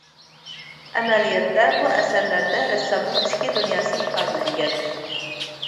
ئەمەلىيەتتە بۇ ئەسەرلەردە رەسسامنىڭ ئىچكى دۇنياسى ئىپادىلەنگەن.